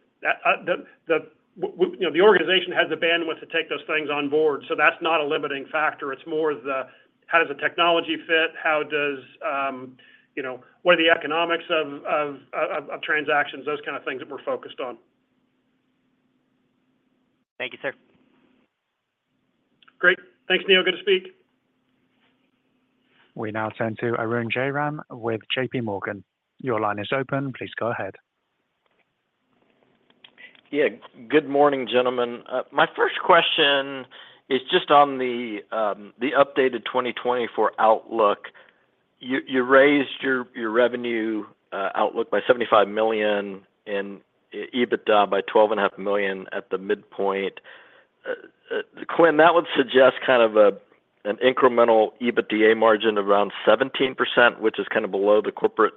C: the organization has the bandwidth to take those things on board, so that's not a limiting factor. It's more the how does the technology fit? How does you know... What are the economics of transactions? Those kind of things that we're focused on.
F: Thank you, sir.
C: Great. Thanks, Neil. Good to speak.
A: We now turn to Arun Jayaram with J.P. Morgan. Your line is open. Please go ahead.
G: Yeah. Good morning, gentlemen. My first question is just on the updated 2024 outlook. You raised your revenue outlook by $75 million and EBITDA by $12.5 million at the midpoint. Quinn, that would suggest kind of an incremental EBITDA margin around 17%, which is kind of below the corporate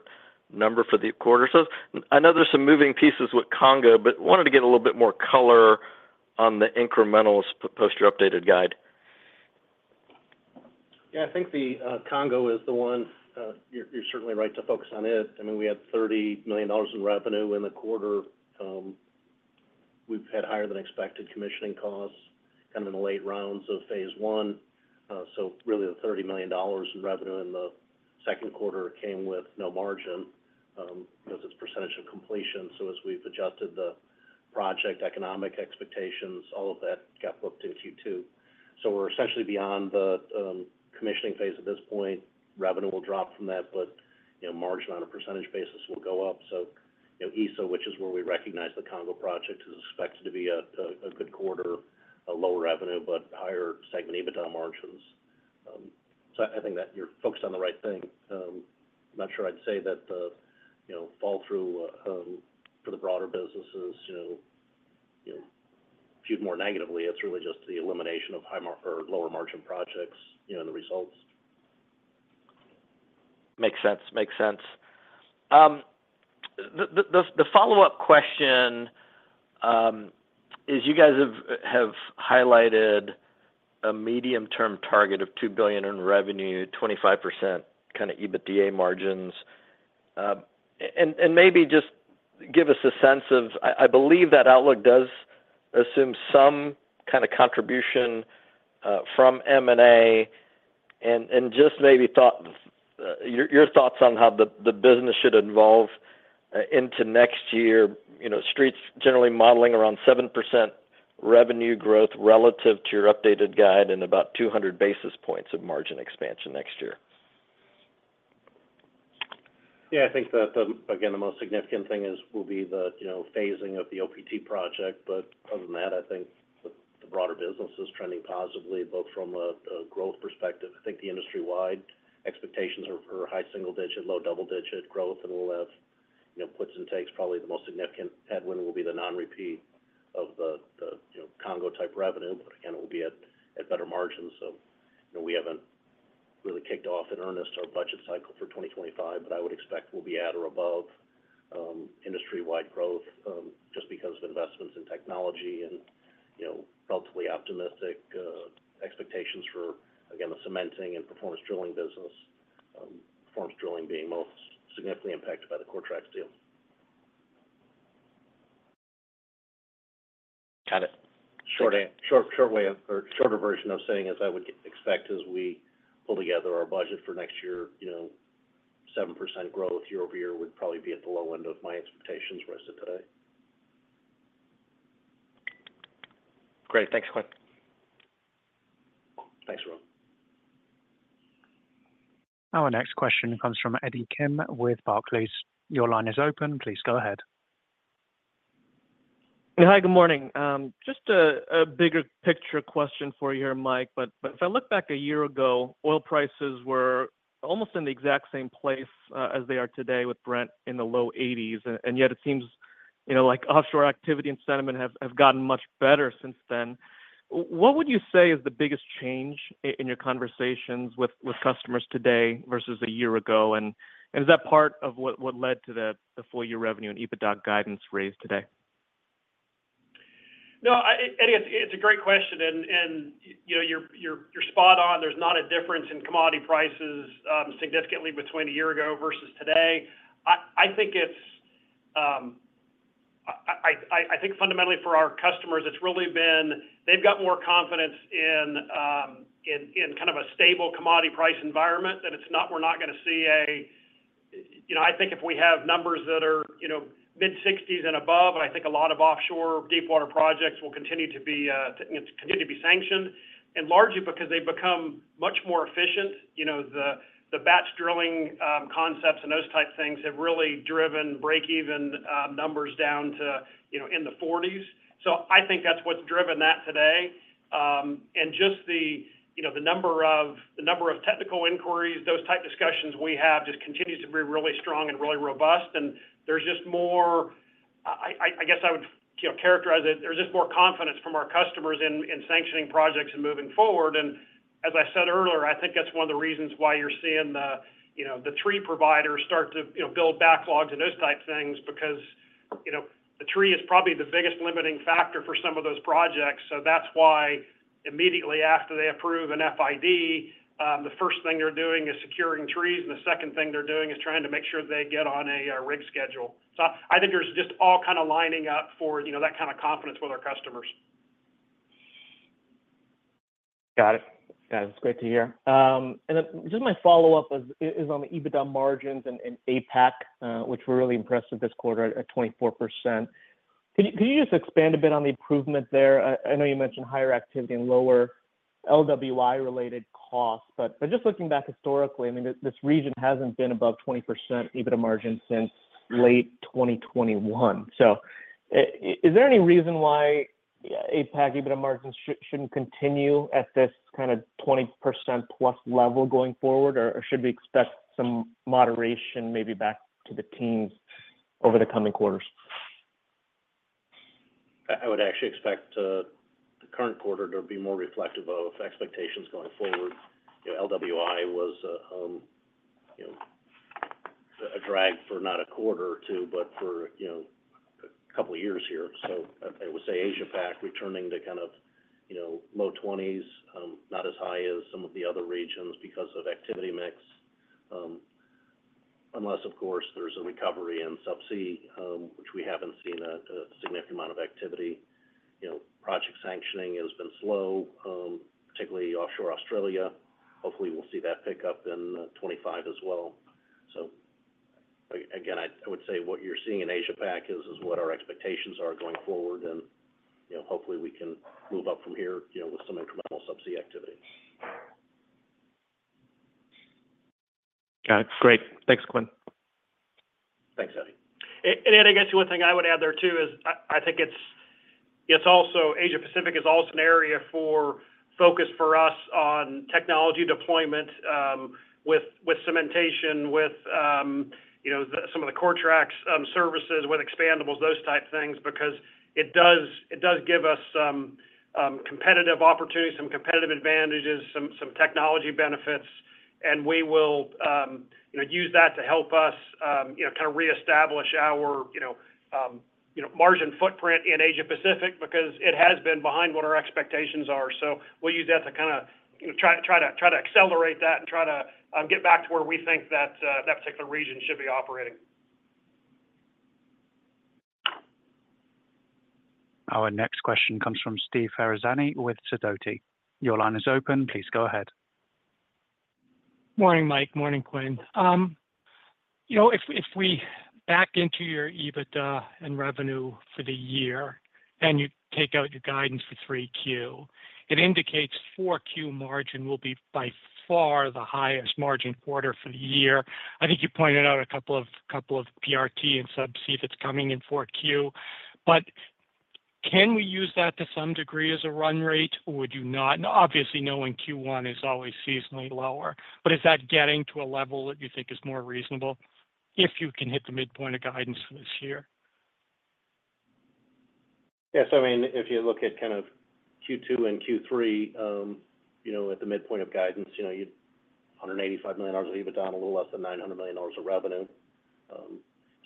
G: number for the quarter. So I know there's some moving pieces with Congo, but wanted to get a little bit more color on the incrementals post your updated guide.
D: Yeah, I think the Congo is the one you're certainly right to focus on it. I mean, we had $30 million in revenue in the quarter. We've had higher than expected commissioning costs, kind of in the late rounds of phase one. So really, the $30 million in revenue in the second quarter came with no margin, because it's percentage of completion. So as we've adjusted the project economic expectations, all of that got booked in Q2. So we're essentially beyond the commissioning phase at this point. Revenue will drop from that, but, you know, margin on a percentage basis will go up. So, you know, Q3, which is where we recognize the Congo project, is expected to be a good quarter, a lower revenue, but higher segment EBITDA margins. So I think that you're focused on the right thing. I'm not sure I'd say that the, you know, fall through for the broader businesses, you know, you know, skewed more negatively. It's really just the elimination of high mar-- or lower margin projects, you know, the results.
G: Makes sense. Makes sense. The follow-up question is you guys have highlighted a medium-term target of $2 billion in revenue, 25% kind of EBITDA margins. And maybe just give us a sense of—I believe that outlook does assume some kind of contribution from M&A, and just maybe thought... your thoughts on how the business should evolve into next year. You know, Street's generally modeling around 7% revenue growth relative to your updated guide and about 200 basis points of margin expansion next year.
D: Yeah, I think that the, again, the most significant thing is, will be the, you know, phasing of the OPT project. But other than that, I think the, the broader business is trending positively, both from a, a growth perspective. I think the industry-wide expectations are for high single-digit, low double-digit growth and less, you know, puts and takes. Probably the most significant headwind will be the non-repeat of the, the, you know, Congo-type revenue, but again, it will be at, at better margins. So, you know, we haven't really kicked off in earnest our budget cycle for 2025, but I would expect we'll be at or above, industry-wide growth, just because of investments in technology and, you know, relatively optimistic, expectations for, again, the cementing and performance drilling business. Performance drilling being most significantly impacted by the Coretrax deal.
G: Got it.
D: A shorter version of saying, as I would expect, as we pull together our budget for next year, you know, 7% growth year-over-year would probably be at the low end of my expectations versus today.
G: Great. Thanks, Quinn.
D: Thanks, Arun.
A: Our next question comes from Eddie Kim with Barclays. Your line is open. Please go ahead.
H: Hi, good morning. Just a bigger picture question for you, Mike, but if I look back a year ago, oil prices were almost in the exact same place as they are today with Brent in the low 80s, and yet it seems, you know, like offshore activity and sentiment have gotten much better since then. What would you say is the biggest change in your conversations with customers today versus a year ago? And is that part of what led to the full year revenue and EBITDA guidance raised today?
C: No, Eddie, it's a great question, and you know, you're spot on. There's not a difference in commodity prices significantly between a year ago versus today. I think it's... I think fundamentally for our customers, it's really been—they've got more confidence in kind of a stable commodity price environment, that it's not—we're not gonna see a— You know, I think if we have numbers that are, you know, mid-$60s and above, I think a lot of offshore deepwater projects will continue to be sanctioned, and largely because they've become much more efficient. You know, the batch drilling concepts and those type things have really driven break-even numbers down to, you know, in the 40s. So I think that's what's driven that today. And just the, you know, the number of, the number of technical inquiries, those type discussions we have just continues to be really strong and really robust, and there's just more—I guess I would, you know, characterize it, there's just more confidence from our customers in sanctioning projects and moving forward. And as I said earlier, I think that's one of the reasons why you're seeing the, you know, the tree providers start to, you know, build backlogs and those type things, because, you know, the tree is probably the biggest limiting factor for some of those projects. So that's why immediately after they approve an FID, the first thing they're doing is securing trees, and the second thing they're doing is trying to make sure they get on a rig schedule. I think there's just all kind of lining up for, you know, that kind of confidence with our customers.
H: Got it. That's great to hear. And then just my follow-up is on the EBITDA margins and APAC, which we're really impressed with this quarter at 24%. Could you just expand a bit on the improvement there? I know you mentioned higher activity and lower LWI-related costs, but just looking back historically, I mean, this region hasn't been above 20% EBITDA margin since late 2021. So, is there any reason why APAC EBITDA margins shouldn't continue at this kinda 20%+ level going forward, or should we expect some moderation, maybe back to the teens over the coming quarters?
D: I, I would actually expect the current quarter to be more reflective of expectations going forward. You know, LWI was, you know, a drag for not a quarter or two, but for, you know, a couple of years here. So I, I would say Asia Pac returning to kind of, you know, low twenties, not as high as some of the other regions because of activity mix. Unless, of course, there's a recovery in subsea, which we haven't seen a significant amount of activity. You know, project sanctioning has been slow, particularly offshore Australia. Hopefully, we'll see that pick up in 2025 as well. So, again, I, I would say what you're seeing in Asia Pac is what our expectations are going forward, and, you know, hopefully, we can move up from here, you know, with some incremental subsea activity.
H: Got it. Great. Thanks, Quinn.
D: Thanks, Eddie.
C: And, Eddie, I guess one thing I would add there, too, is I think it's also, Asia Pacific is also an area for focus for us on technology deployment, with cementation, with you know, some of the Coretrax services, with expandables, those type of things, because it does, it does give us some competitive opportunities, some competitive advantages, some technology benefits. And we will, you know, use that to help us, you know, kinda reestablish our, you know, margin footprint in Asia Pacific, because it has been behind what our expectations are. So we'll use that to kinda, you know, try, try to, try to accelerate that and try to get back to where we think that, that particular region should be operating.
A: Our next question comes from Steve Ferrazzano with Sidoti. Your line is open. Please go ahead.
I: Morning, Mike. Morning, Quinn. You know, if we back into your EBITDA and revenue for the year, and you take out your guidance for 3Q, it indicates 4Q margin will be by far the highest margin quarter for the year. I think you pointed out a couple of PRT and subsea that's coming in 4Q. But can we use that to some degree as a run rate, or would you not? Obviously, knowing Q1 is always seasonally lower, but is that getting to a level that you think is more reasonable, if you can hit the midpoint of guidance this year?
D: Yes, I mean, if you look at kind of Q2 and Q3, you know, at the midpoint of guidance, you know, hundred and eighty-five million dollars of EBITDA, a little less than nine hundred million dollars of revenue.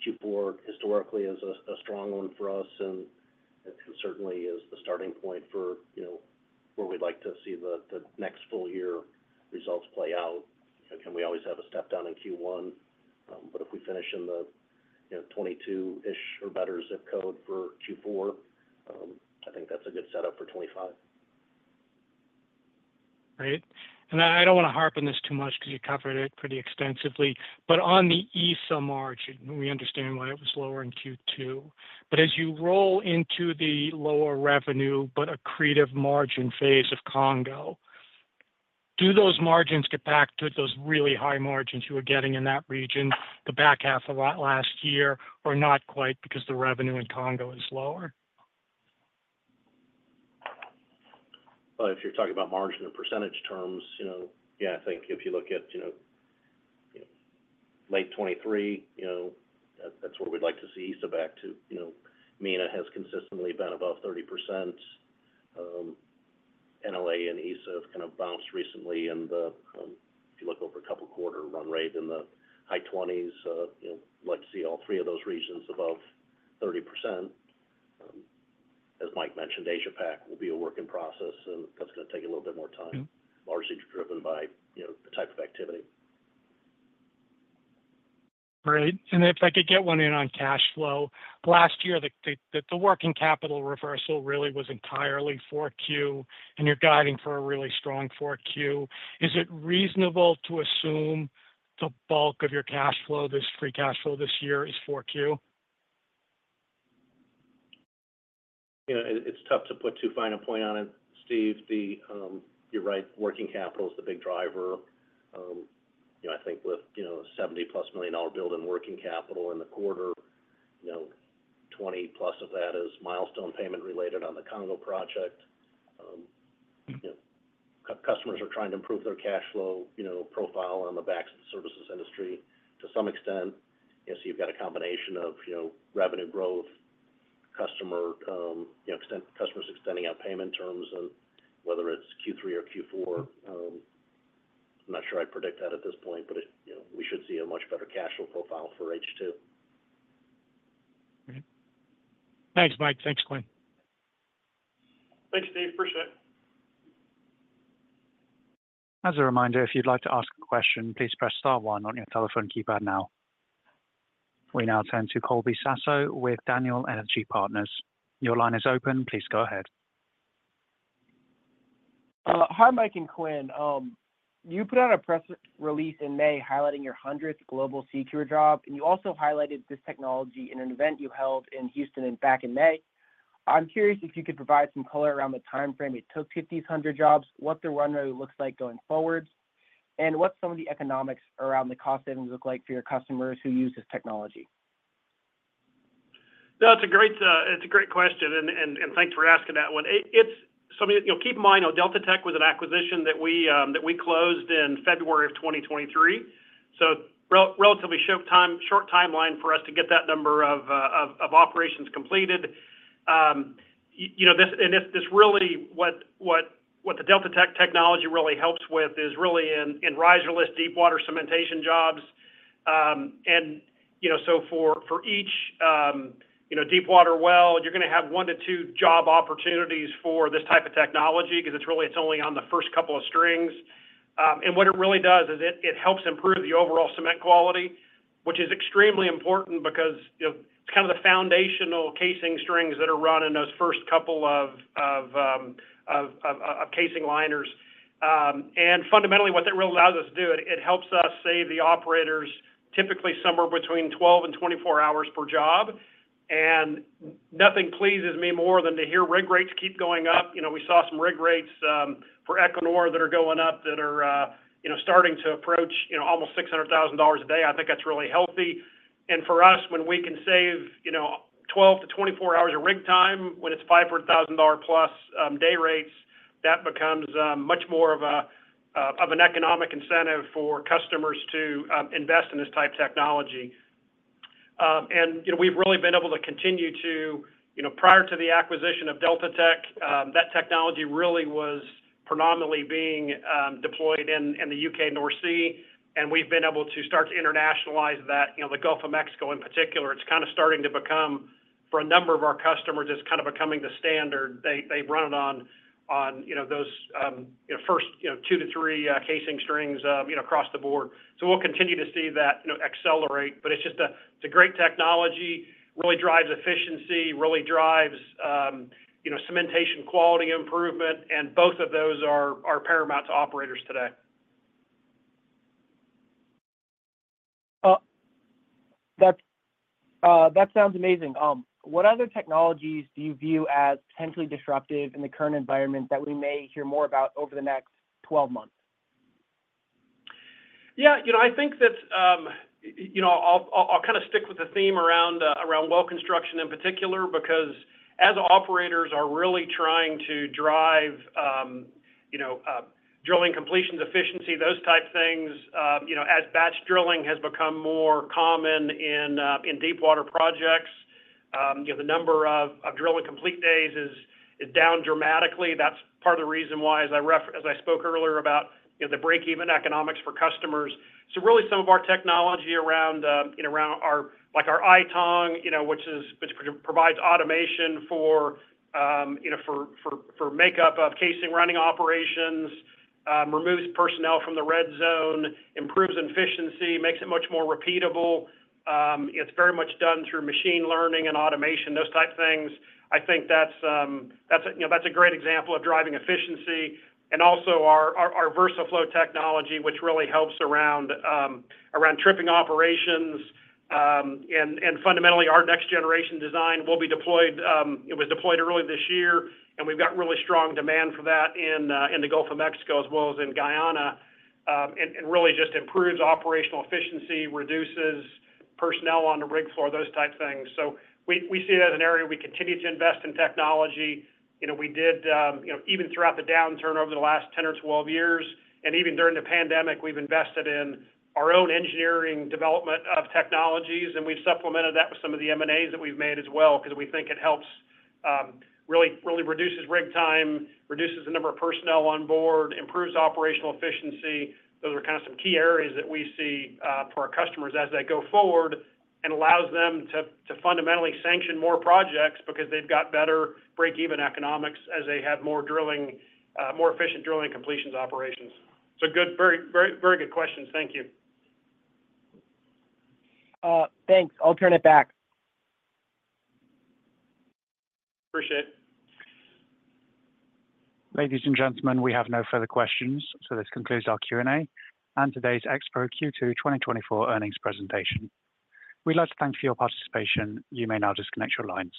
D: Q4, historically, is a strong one for us, and it certainly is the starting point for, you know, where we'd like to see the, the next full year results play out. And can we always have a step down in Q1, but if we finish in the, you know, 22-ish or better zip code for Q4, I think that's a good setup for 2025.
I: Great. And I, I don't wanna harp on this too much because you covered it pretty extensively, but on the ESA margin, we understand why it was lower in Q2. But as you roll into the lower revenue, but accretive margin phase of Congo, do those margins get back to those really high margins you were getting in that region, the back half of last year, or not quite because the revenue in Congo is lower?
D: Well, if you're talking about margin in percentage terms, you know, yeah, I think if you look at, you know, late 2023, you know, that's where we'd like to see ESA back to. You know, MENA has consistently been above 30%. NLA and ESA have kinda bounced recently, and, if you look over a couple quarter run rate in the high 20s%, you know, like to see all three of those regions above 30%. As Mike mentioned, Asia Pac will be a work in process, and that's gonna take a little bit more time-
I: Mm-hmm...
D: largely driven by, you know, the type of activity....
I: Great. And if I could get one in on cash flow. Last year, the working capital reversal really was entirely Q4, and you're guiding for a really strong Q4. Is it reasonable to assume the bulk of your cash flow, this free cash flow this year is Q4?
D: Yeah, it's tough to put too fine a point on it, Steve. You're right, working capital is the big driver. You know, I think with $70+ million build in working capital in the quarter, you know, 20%+ of that is milestone payment related on the Congo project. You know, customers are trying to improve their cash flow profile on the backs of the services industry to some extent. You know, so you've got a combination of revenue growth, customer, you know, customers extending out payment terms, and whether it's Q3 or Q4, I'm not sure I'd predict that at this point, but it—you know, we should see a much better cash flow profile for H2.
I: Great. Thanks, Mike. Thanks, Quinn.
C: Thanks, Steve. Appreciate it.
A: As a reminder, if you'd like to ask a question, please press star one on your telephone keypad now. We now turn to Colby Sasso with Daniel Energy Partners. Your line is open. Please go ahead.
J: Hi, Mike and Quinn. You put out a press release in May highlighting your 100th global SeaCure job, and you also highlighted this technology in an event you held in Houston and back in May. I'm curious if you could provide some color around the timeframe it took to get these 100 jobs, what the runway looks like going forward, and what some of the economics around the cost savings look like for your customers who use this technology?
C: No, it's a great, it's a great question, and thanks for asking that one. It's something... You know, keep in mind, though, DeltaTek was an acquisition that we, that we closed in February of 2023, so relatively short timeline for us to get that number of, of operations completed. You know, this-- and this really, what the DeltaTek technology really helps with is really in riserless deepwater cementation jobs. And, you know, so for each, you know, deepwater well, you're gonna have 1-2 job opportunities for this type of technology, 'cause it's really, it's only on the first couple of strings. And what it really does is it, it helps improve the overall cement quality, which is extremely important because, you know, kind of the foundational casing strings that are run in those first couple of casing liners. And fundamentally, what that really allows us to do, it, it helps us save the operators typically somewhere between 12 hours-24 hours per job, and nothing pleases me more than to hear rig rates keep going up. You know, we saw some rig rates for Equinor that are going up, that are, you know, starting to approach, you know, almost $600,000 a day. I think that's really healthy. And for us, when we can save, you know, 12-24 hours of rig time, when it's $500,000+ day rates, that becomes much more of an economic incentive for customers to invest in this type of technology. And, you know, we've really been able to continue to... You know, prior to the acquisition of DeltaTek, that technology really was predominantly being deployed in the UK North Sea, and we've been able to start to internationalize that. You know, the Gulf of Mexico in particular, it's kinda starting to become, for a number of our customers, it's kind of becoming the standard. They, they run it on, on, you know, those, you know, first, you know, 2-3 casing strings, you know, across the board. So we'll continue to see that, you know, accelerate, but it's just a-- it's a great technology, really drives efficiency, really drives, you know, cementation, quality improvement, and both of those are paramount to operators today.
J: That sounds amazing. What other technologies do you view as potentially disruptive in the current environment that we may hear more about over the next 12 months?
C: Yeah, you know, I think that, you know, I'll kinda stick with the theme around, around well construction in particular, because as operators are really trying to drive, you know, drilling completions efficiency, those type things, you know, as batch drilling has become more common in, in deepwater projects, you know, the number of, of drilling complete days is, is down dramatically. That's part of the reason why, as I spoke earlier about, you know, the break-even economics for customers. So really, some of our technology around, you know, around our, like our iTongue, you know, which provides automation for, you know, for, for, for makeup of casing running operations, removes personnel from the red zone, improves efficiency, makes it much more repeatable. It's very much done through machine learning and automation, those type things. I think that's, that's a, you know, that's a great example of driving efficiency. And also our, our, our VersaFlo technology, which really helps around, around tripping operations, and, and fundamentally, our next generation design will be deployed, it was deployed earlier this year, and we've got really strong demand for that in, in the Gulf of Mexico as well as in Guyana. And, and really just improves operational efficiency, reduces personnel on the rig floor, those type things. So we, we see that as an area we continue to invest in technology. You know, we did, you know, even throughout the downturn over the last 10 or 12 years, and even during the pandemic, we've invested in our own engineering development of technologies, and we've supplemented that with some of the M&As that we've made as well, because we think it helps, really, really reduces rig time, reduces the number of personnel on board, improves operational efficiency. Those are kind of some key areas that we see for our customers as they go forward, and allows them to, to fundamentally sanction more projects because they've got better break-even economics as they have more drilling, more efficient drilling completions operations. So good, very, very, very good questions. Thank you.
J: Thanks. I'll turn it back.
C: Appreciate it.
A: Ladies and gentlemen, we have no further questions, so this concludes our Q&A and today's Expro Q2 2024 earnings presentation. We'd like to thank you for your participation. You may now disconnect your lines.